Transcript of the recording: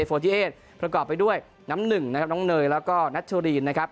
ผลกรอบไปด้วยน้ำหนึ่งน้องเนยแล้วก็นัตโชลีนนะครับ